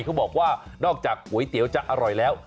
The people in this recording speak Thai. เขาบอกว่านอกจากก๋วยเตี๋ยวจะอร่อยแล้ว